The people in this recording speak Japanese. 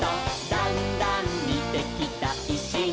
「だんだんにてきたいしがきに」